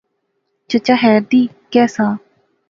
چچا خیر دی، کہہ سا؟